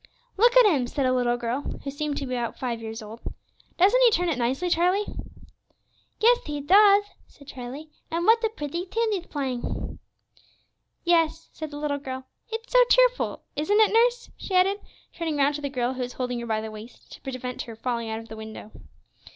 "Look at him," said a little girl, who seemed to be about five years old; "doesn't he turn it nicely, Charlie?" "Yes, he does," said Charlie, "and what a pretty tune he's playing!" "Yes," said the little girl, "it's so cheerful. Isn't it, nurse?" she added, turning round to the girl who was holding her by the waist, to prevent her falling out of the window.